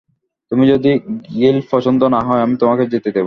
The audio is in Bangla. তোমার যদি গিল্ড পছন্দ না হয়, আমি তোমাকে যেতে দেব।